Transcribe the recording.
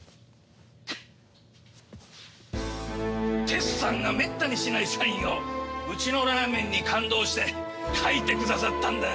テツさんがめったにしないサインをうちのラーメンに感動して書いてくださったんだ！